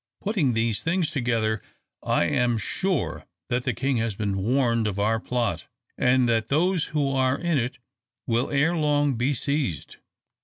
Putting these things together, I am sure that the king has been warned of our plot, and that those who are in it will ere long be seized.